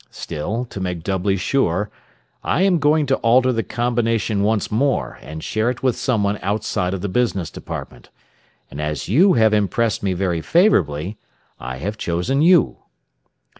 Still, to make doubly sure, I am going to alter the combination once more, and share it with someone outside of the business department. And as you have impressed me very favorably, I have chosen you.